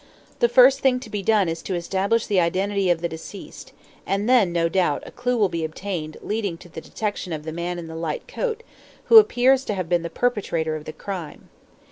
The first thing to be done is to establish the identity of the deceased, and then, no doubt, a clue will be obtained leading to the detection of the man in the light coat who appears to have been the perpetrator of the crime.